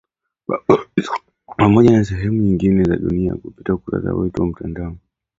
Pamoja na sehemu nyingine za dunia kupitia ukurasa wetu wa mtandao